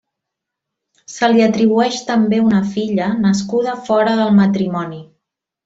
Se li atribueix també una filla nascuda fora del matrimoni.